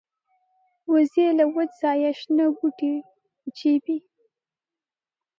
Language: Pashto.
وزې له وچ ځایه شنه بوټي وچيبي